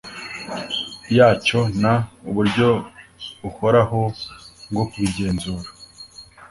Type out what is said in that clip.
yacyo n uburyo buhoraho bwo kubigenzura